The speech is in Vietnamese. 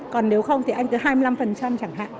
còn nếu không thì anh cứ hai mươi năm chẳng hạn